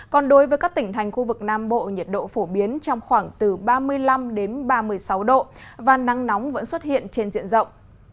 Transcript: còn đối với các tỉnh thành khu vực nam bộ nhiệt độ phổ biến trong khoảng từ ba mươi năm ba mươi sáu độ và nắng nóng vẫn xuất hiện trên diện rộng